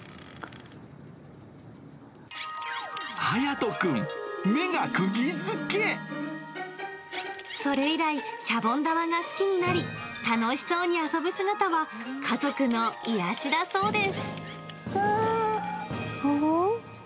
彩翔くん、それ以来、しゃぼん玉が好きになり、楽しそうに遊ぶ姿は家族の癒やしだそうです。